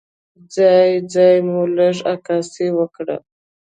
ځای ځای مو لږه عکاسي وکړه.